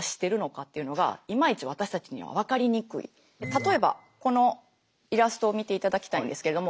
例えばこのイラストを見ていただきたいんですけれども。